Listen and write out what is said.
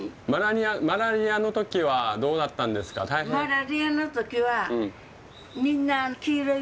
マラリアの時はどうだったんですか大変？